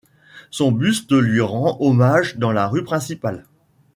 Son buste lui rend hommage sur la rue principale.